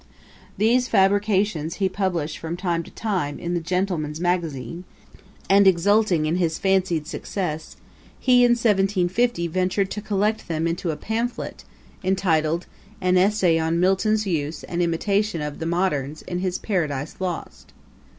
These fabrications he published from time to time in the Gentleman s Magazine; and, exulting in his fancied success, he in 1750 ventured to collect them into a pamphlet, entitled An Essay on Milton's Use and Imitation of the Moderns in his Paradise Lost.